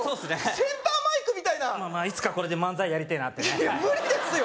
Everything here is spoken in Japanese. センターマイクみたいないつかこれで漫才やりてえなっていや無理ですよ